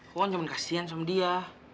wawan cuma kasihan sama dia